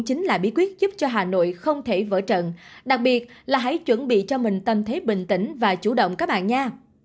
chính là bí quyết giúp cho hà nội không thể vỡ trận đặc biệt là hãy chuẩn bị cho mình tâm thế bình tĩnh và chủ động các bạn nha